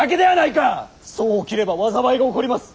僧を斬れば災いが起こります！